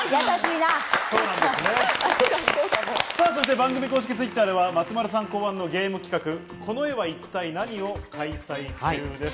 番組公式Ｔｗｉｔｔｅｒでは松丸さん考案のゲーム企画「この絵は一体ナニ！？」を開催中です。